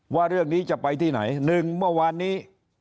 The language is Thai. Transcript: ว่าเรื่องนี้จะไปที่ไหน๑เมื่อวานนี้